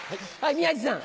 宮治さん。